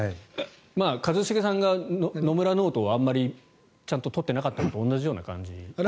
一茂さんが野村ノートをちゃんと取ってなかったのと同じような感じ。